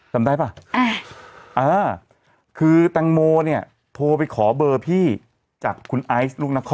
จำได้ป่ะคือแตงโมเนี่ยโทรไปขอเบอร์พี่จากคุณไอซ์ลูกนคร